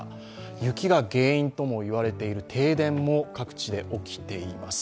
雪が原因とも言われている停電も各地で起きています。